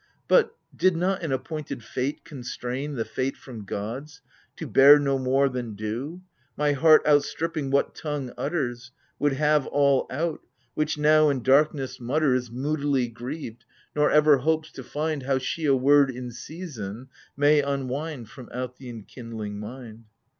But, did not an appointed Fate constrain The Fate from gods, to bear no more than due, My heart, outstripping what tongue utters. Would have all out : which now, in darkness, mutters AGAMEMNON. 83 Moodily grieved, nor ever hopes to find How she a word in season may unwind From out the enkindling mind.